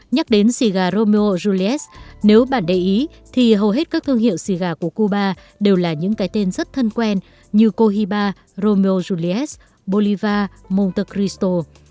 nhắc đến xì gà romeo julis nếu bạn để ý thì hầu hết các thương hiệu xì gà của cuba đều là những cái tên rất thân quen như cohiba romeo julis bolivar montokristo